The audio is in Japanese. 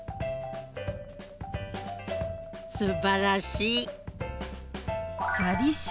すばらしい。